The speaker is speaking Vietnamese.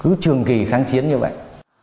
cứ trường kỳ kháng chiến như vậy